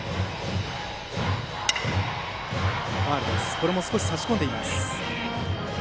今のも少し差し込んでいます。